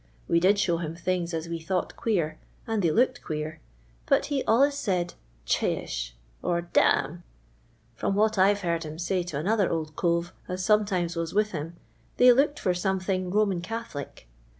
We did show lum thiugs as Wf thought queer, nnd thej looked queer, but he ail'us Siiid ' Chi isli/ or * da amii.' From uhnt I 're hoard him say to another old cove as some times %vns with him, thor looked for sometliing Unman Catholic."